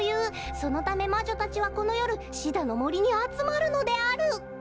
そのため魔女たちはこのよるシダのもりにあつまるのである」。